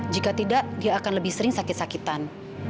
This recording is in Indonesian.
jika tidak dia akan lebih sering sakit sakitan